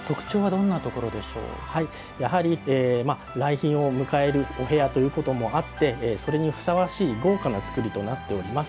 来賓を迎えるお部屋ということもあってそれにふさわしい豪華な造りとなっております。